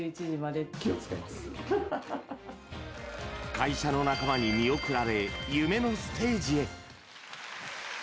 会社の仲間に見送られ夢のステージへ。